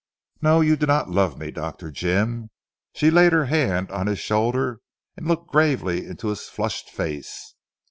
"No! You do not love me, Dr. Jim," she laid her hand on his shoulder, and looked gravely into his flushed face.